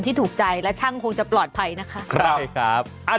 ที่ถูกใจและช่างคงจะปลอดภัยนะคะ